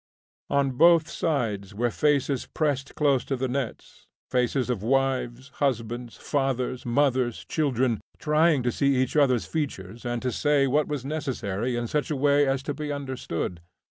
On both sides were faces pressed close to the nets, faces of wives, husbands, fathers, mothers, children, trying to see each other's features and to say what was necessary in such a way as to be understood.